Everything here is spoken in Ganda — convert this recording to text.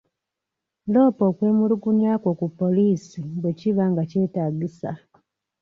Loopa okwemulugunya kwo ku poliisi bwe kiba nga kyetagisa.